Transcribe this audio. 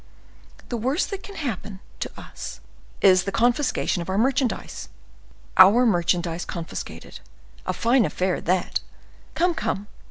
The worst that can happen to us is the confiscation of our merchandise. Our merchandise confiscated—a fine affair that! Come, come!